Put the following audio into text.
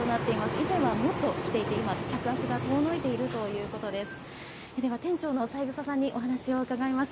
以前はもっと来ていて、今、客足が遠のいているということです。